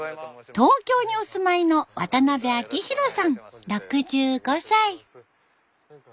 東京にお住まいの渡邉明博さん６５歳。